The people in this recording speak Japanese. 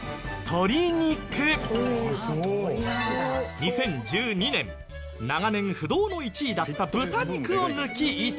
２０１２年長年不動の１位だった豚肉を抜き１位に。